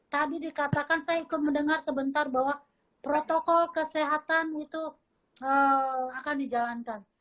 tadi dikatakan saya ikut mendengar sebentar bahwa protokol kesehatan itu akan dijalankan